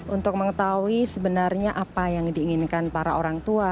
untuk mengetahui sebenarnya apa yang diinginkan para orang tua